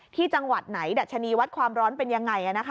ที่จังหวัดไหนดัชนีวัดความร้อนเป็นยังไง